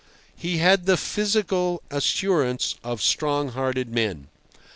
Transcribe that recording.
He had the physical assurance of strong hearted men.